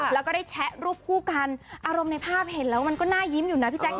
แล้วก็ได้แชะรูปคู่กันอารมณ์ในภาพเห็นแล้วมันก็น่ายิ้มอยู่นะพี่แจ๊